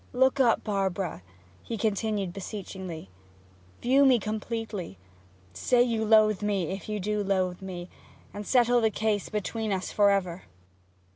... Look up, Barbara,' he continued beseechingly; 'view me completely; say you loathe me, if you do loathe me, and settle the case between us for ever!'